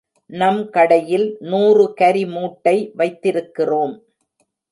நம் கடையில் நூறு கரி மூட்டை வைத்திருக்கிறோம்.